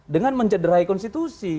dengan mencederai konstitusi